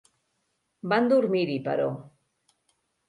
Van dormir-hi; però